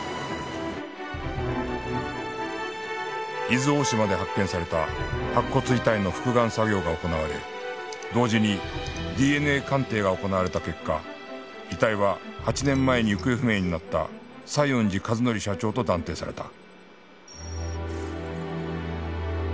伊豆大島で発見された白骨遺体の復顔作業が行われ同時に ＤＮＡ 鑑定が行われた結果遺体は８年前に行方不明になった西園寺和則社長と断定された